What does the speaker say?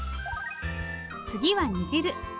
次は煮汁。